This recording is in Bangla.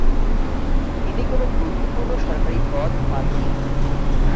তিনি কোনো গুরুত্বপূর্ণ সরকারি পদ পাননি।